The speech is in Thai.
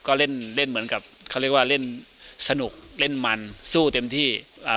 ก็เล่นเล่นเหมือนกับเขาเรียกว่าเล่นสนุกเล่นมันสู้เต็มที่อ่า